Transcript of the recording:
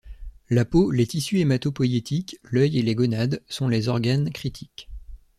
La peau, les tissus hématopoïétiques, l’œil et les gonades sont les organes critiques.